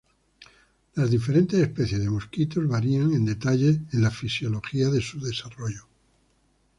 Las diferentes especies de mosquitos varían en detalles en la fisiología de su desarrollo.